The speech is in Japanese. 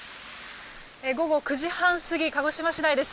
午後９時半過ぎ鹿児島市内です。